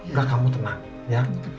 udah kamu tenang